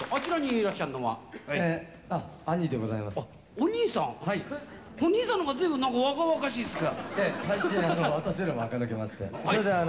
「お兄さん」「お兄さんの方がずいぶん若々しいですが」